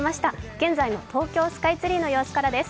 現在の東京スカイツリーの様子からです。